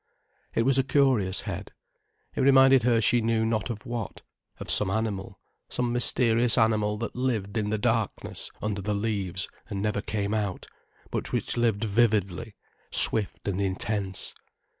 It was a curious head: it reminded her she knew not of what: of some animal, some mysterious animal that lived in the darkness under the leaves and never came out, but which lived vividly, swift and intense.